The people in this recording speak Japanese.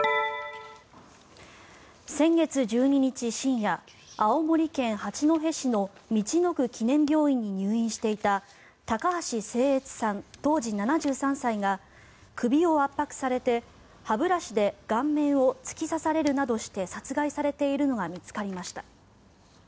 先月１２日深夜青森県八戸市のみちのく記念病院に入院していた高橋生悦さん、当時７３歳が首を圧迫されて、歯ブラシで顔面を突き刺されるなどして殺害されているのが見つかりました。